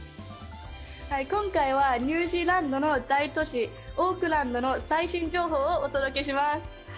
今回は、ニュージーランドの大都市、オークランドの最新情報をお届けします。